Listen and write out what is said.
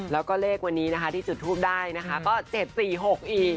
แล้วก็เลขวันนี้นะคะที่จุดทูปได้นะคะก็๗๔๖อีก